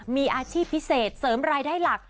มีอาชีพพิเศษเสริมรายได้หลัก